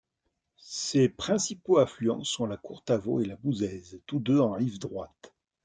Ses principaux affluents sont la Courtavaux et la Bouzaise, tous deux en rive droite.